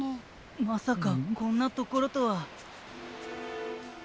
まさかこんなところとは。